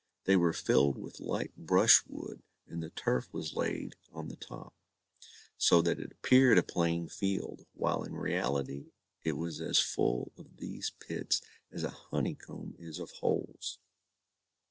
They were filled with light brushwood, and the turf was laid on the top, so that it appeared a plain field, while in reality it was as full of these pits as a honeycomb is of holes.